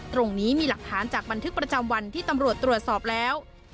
ตรงนี้มีหลักฐานจากบันทึกประจำวันที่ตำรวจตรวจสอบแล้ว